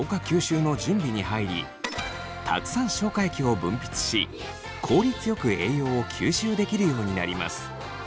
吸収の準備に入りたくさん消化液を分泌し効率よく栄養を吸収できるようになります。